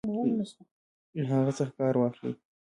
له هغه څخه کار واخلي.